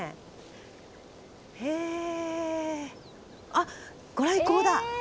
あっご来光だ！え？